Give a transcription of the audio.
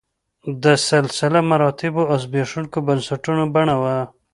د سلسله مراتبو او زبېښونکو بنسټونو بڼه وه